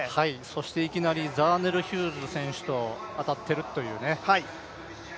そしていきなりザーネル・ヒューズ選手と当たっているというね。